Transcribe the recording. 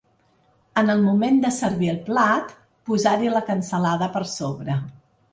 En el moment de servir el plat, posar-hi la cansalada per sobre.